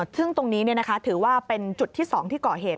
ซึ่งตรงนี้ถือว่าเป็นจุดที่๒ที่ก่อเหตุ